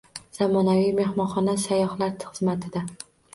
Zamonaviy mehmonxona sayyohlar xizmatida